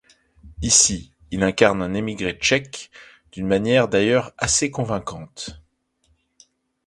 Ici, il incarne un émigré tchèque, d'une manière d'ailleurs assez convaincante.